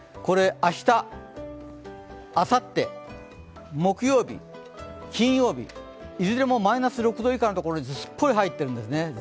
明日、あさって、木曜日、金曜日、いずれもマイナス６度以下のところにすっぽり入ってるんですね。